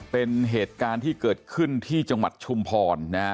เป็นเหตุการณ์ที่เกิดขึ้นที่จังหวัดชุมพรนะฮะ